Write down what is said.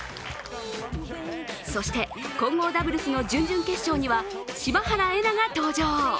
そして、混合ダブルスの準々決勝には柴原瑛菜が登場。